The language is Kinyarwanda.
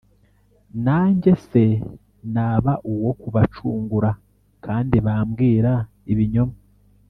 Nanjye se naba uwo kubacungura, kandi bambwira ibinyoma?